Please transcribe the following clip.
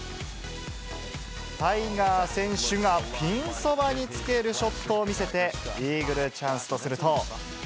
タイガー選手がピンそばにつけるショットを見せて、イーグルチャンスとすると。